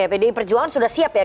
jadi perjuangan sudah siap ya